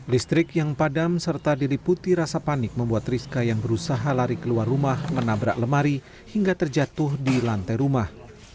listrik yang padam serta diliputi rasa panik membuat rizka yang berusaha lari keluar rumah menabrak lemari hingga terjatuh di lantai rumah